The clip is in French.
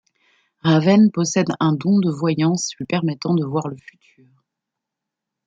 Raven possède un don de voyance lui permettant de voir le futur.